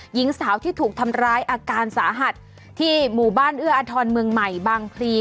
หญิงสาวที่ถูกทำร้ายอาการสาหัสที่หมู่บ้านเอื้ออทรเมืองใหม่บางพลี